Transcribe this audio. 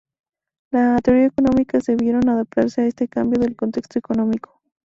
Las teorías económicas debieron adaptarse a este cambio de contexto económico.